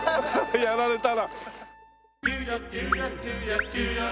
やられたな。